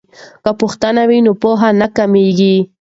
که پوښتنه وي نو پوهه نه کمیږي.